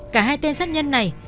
cả hai tên sát nhân này